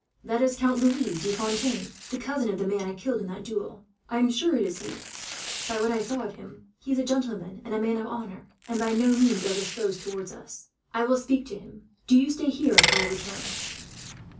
"That is Count Louis de Fontaine, the cousin of the man I killed in that duel. I am sure it is he. By what I saw of him, he is a gentleman and a man of honour, and by no means ill disposed towards us. "I will speak to him. Do you stay here, till I return."